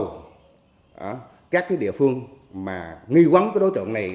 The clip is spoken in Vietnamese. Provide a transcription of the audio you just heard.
gửi cái yêu cầu các cái địa phương mà nghi quấn cái đối tượng này